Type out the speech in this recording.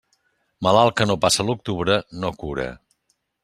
Malalt que no passa l'octubre, no cura.